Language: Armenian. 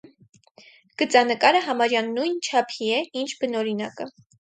Գծանկարը համարյա նույն չափի է՝ ինչ բնօրինակը։